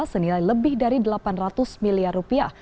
senilai lebih dari delapan ratus miliar rupiah